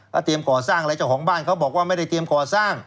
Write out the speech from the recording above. เตรียมก่อสร้างอะไรเจ้าของบ้านเขาบอกว่าไม่ได้เตรียมก่อสร้าง